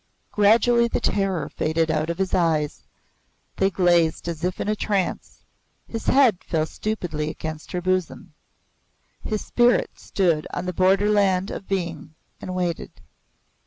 Gradually the terror faded out of his eyes; they glazed as if in a trance; his head fell stupidly against her bosom; his spirit stood on the borderland of being and waited.